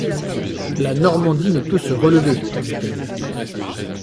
La Normandie ne peut se relever, dit-elle.